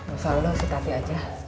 masalah lu si tati aja